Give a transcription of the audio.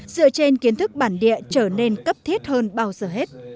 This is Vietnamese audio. dựa trên kiến thức bản địa trở nên cấp thiết hơn bao giờ hết